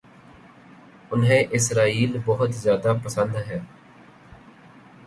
انہیں اسرائیل بہت زیادہ پسند ہے